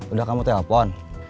udah kamu telepon